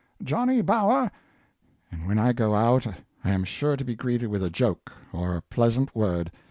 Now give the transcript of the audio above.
Johnny Bower!' and when I go out lam sure to be greeted wi' a joke or a pleasant word.